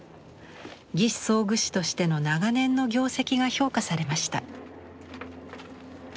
義肢装具士としての長年の業績が評価されました。